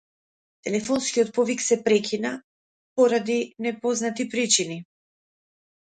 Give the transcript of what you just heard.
Телефонскиот повик се прекина поради непознати причини.